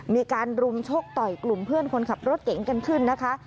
มีการรุมชกต่อยกลุ่มเพื่อนคนขับรถเก๋งกันขึ้นนะคะ